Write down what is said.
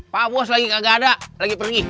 pak bos lagi gak ada lagi pergi